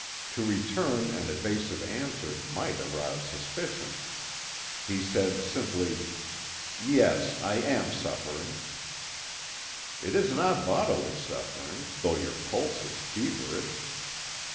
To return an evasive answer might arouse suspicion. He said simply: "Yes, I am suffering." "It is not bodily suffering, though your pulse is feverish."